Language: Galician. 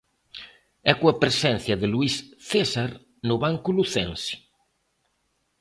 E coa presencia de Luís César no banco lucense.